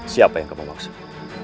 siapa yang kamu maksud